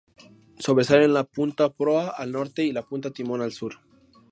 Sobresalen la punta Proa al norte y la punta Timón al sur.